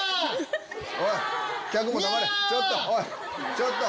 ちょっと！